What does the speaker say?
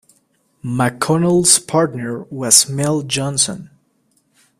McConnell's partner was Mel Johnson.